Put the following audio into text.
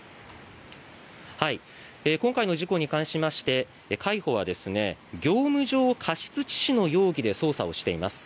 今回の事故に関して海保は業務上過失致死の容疑で捜査をしています。